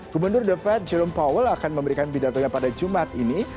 gubernur the fed jerome powell akan memberikan pidatonya pada jumat ini